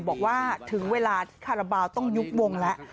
บอกว่าถึงเวลาที่คาราบาลต้องยุบวงแล้ว